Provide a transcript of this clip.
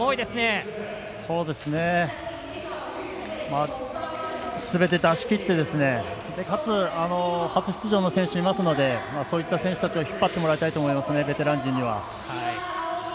すべて出しきってかつ、初出場の選手いますのでそういった選手たちを引っ張っていってもらいたいと思いますね、ベテラン陣には。